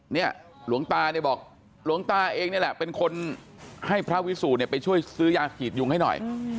หลวงตาเนี่ยบอกหลวงตาเองนี่แหละเป็นคนให้พระวิสูจนเนี่ยไปช่วยซื้อยาขีดยุงให้หน่อย